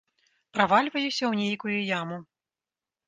Правальваюся ў нейкую яму.